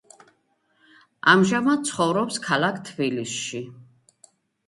ამჟამად ცხოვრობს ქალაქ თბილისში.